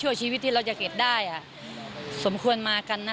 เชื่อชีวิตที่เราจะเข็มได้สำควรมากันนะ